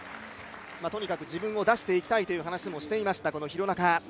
とにかく自分を出していきたいという話をしていました、廣中。